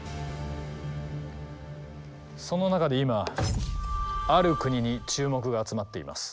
その中で今ある国に注目が集まっています。